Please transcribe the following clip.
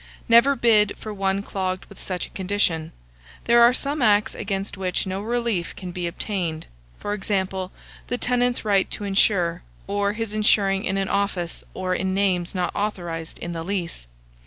Never bid for one clogged with such a condition. There are some acts against which no relief can be obtained; for example, the tenant's right to insure, or his insuring in an office or in names not authorized in the lease.